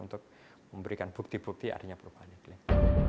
untuk memberikan bukti bukti adanya perubahan iklim